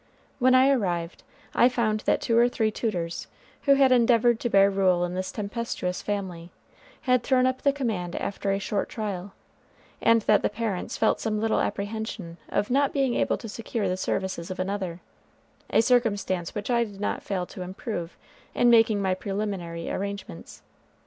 When I arrived, I found that two or three tutors, who had endeavored to bear rule in this tempestuous family, had thrown up the command after a short trial, and that the parents felt some little apprehension of not being able to secure the services of another, a circumstance which I did not fail to improve in making my preliminary arrangements.